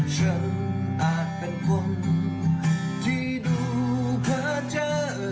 ฉันอาจเป็นคนที่ดูเธอเจอ